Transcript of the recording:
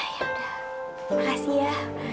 yaudah makasih ya